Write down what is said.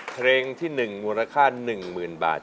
เพลงที่๑มูลค่า๑๐๐๐บาท